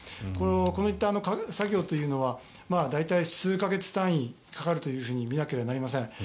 こういった作業は大体、数か月単位かかると見なければなりません。